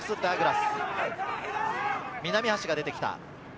南橋が出てきた。